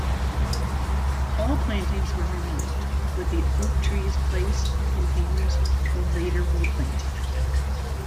All plantings were removed, with the oak trees placed in containers for later replanting.